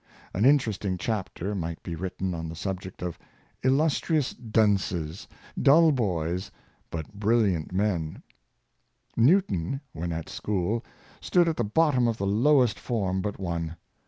An interesting chapter might be written on the sub ject of illustrious dunces — dull boys, but brilliant men. 328 Illustrious Dunces. Newton, when at school, stood at the bottom of the lowest form but one.